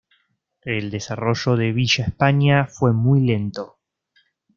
El desarrollo de Villa España fue muy lento.